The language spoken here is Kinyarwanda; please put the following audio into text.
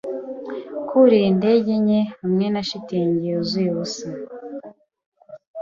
kurira intege nke Hamwe na shitingi yuzuye ubusa